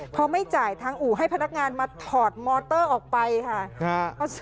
พอไม่จ่ายทางอู่ให้พนักงานมาถอดมอเตอร์ออกไปค่ะ